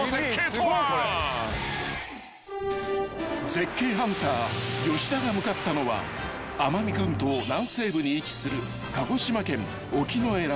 ［絶景ハンター吉田が向かったのは奄美群島南西部に位置する］